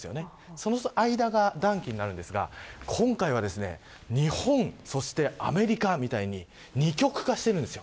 その間が暖気になるのですが今回は日本、アメリカのように二極化しているんです。